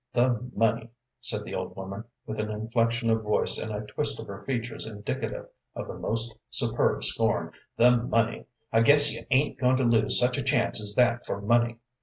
"The money," said the old woman, with an inflection of voice and a twist of her features indicative of the most superb scorn "the money! I guess you ain't goin' to lose such a chance as that for money.